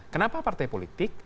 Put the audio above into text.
kenapa partai politik